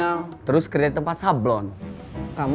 untuk tes yang mau jangan belajar